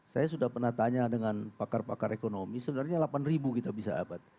saya sudah pernah tanya dengan pakar pakar ekonomi sebenarnya delapan ribu kita bisa dapat